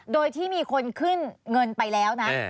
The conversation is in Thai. โดยที่มีคนขึ้นเงินไปแล้วนะ